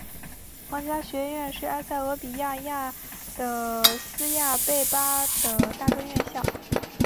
皇家学院是埃塞俄比亚亚的斯亚贝巴的大专院校。